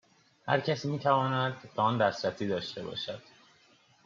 هر کسی میتواند به آن دسترسی داشته باشد